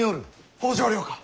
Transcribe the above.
北条領か！？